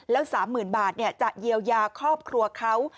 แล้ว๓๐๐๐บาทจะเยียวยาครอบครัวเขา